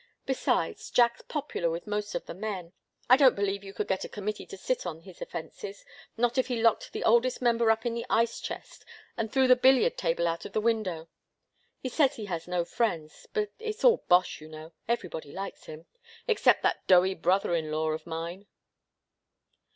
Besides, Jack's popular with most of the men. I don't believe you could get a committee to sit on his offences not if he locked the oldest member up in the ice chest, and threw the billiard table out of the window. He says he has no friends but it's all bosh, you know everybody likes him, except that doughy brother in law of mine!"